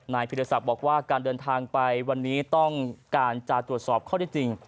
พิรศักดิ์บอกว่าการเดินทางไปวันนี้ต้องการจะตรวจสอบข้อได้จริง